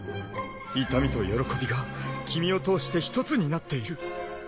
痛みと喜びが君を通して１つになっている。